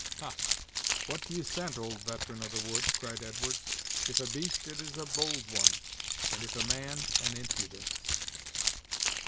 "Ha! what do you scent, old veteran of the woods?" cried Edwards. "If a beast, it is a bold one; and if a man, an impudent."